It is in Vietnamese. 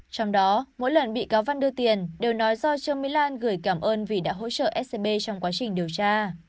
trong đó mỗi lần bị cáo văn đưa tiền đều nói do trương mỹ lan gửi cảm ơn vì đã hỗ trợ scb trong quá trình điều tra